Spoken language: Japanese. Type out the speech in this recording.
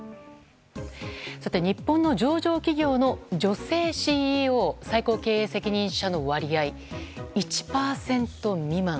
日本の上場企業の女性ＣＥＯ最高経営責任者の割合１％未満。